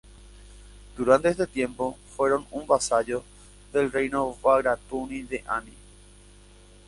Durante este tiempo fueron un vasallo del reino bagratuni de Ani.